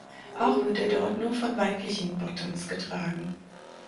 Auch wird er dort nur von weiblichen Bottoms getragen.